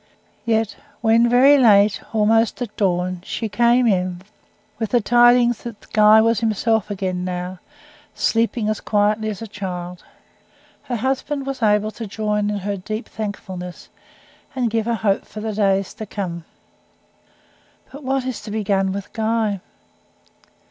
Yet when, very late, almost at dawn, she came in, with the tidings that Guy was himself again now sleeping as quietly as a child her husband was able to join in her deep thankfulness, and give her hope for the days to come. "But what is to be done with Guy?"